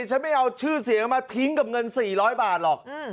ฉันไม่เอาชื่อเสียงมาทิ้งกับเงิน๔๐๐บาทหรอก